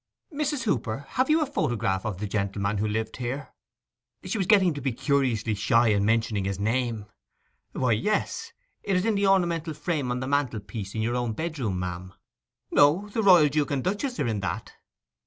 'Mrs. Hooper, have you a photograph of—the gentleman who lived here?' She was getting to be curiously shy in mentioning his name. 'Why, yes. It's in the ornamental frame on the mantelpiece in your own bedroom, ma'am.' 'No; the Royal Duke and Duchess are in that.